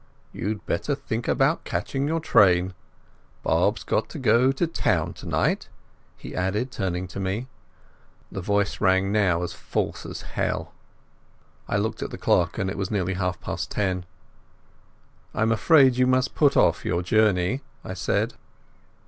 "You'd better think about catching your train. Bob's got to go to town tonight," he added, turning to me. The voice rang now as false as hell. I looked at the clock, and it was nearly half past ten. "I am afraid he must put off his journey," I said.